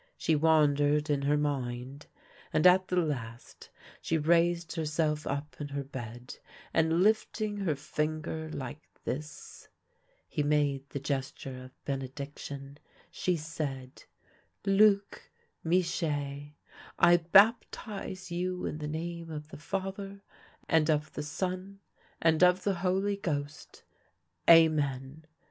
" She wandered in her mind, and at the last she raised herself up in her bed, and lifting her finger like this "— he made the gesture of benediction —" she said, ' Luc Michee, I baptize you in the name of the Father, and of the Son, and of the Holy Ghost. Amen.'